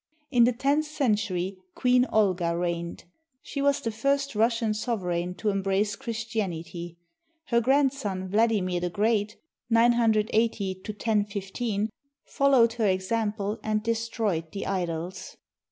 In the tenth century Queen Olga reigned. She was the first Russian sovereign to embrace Christianity. Her grand son, Vladimir the Great (980 1015), followed her example and destroyed the idols.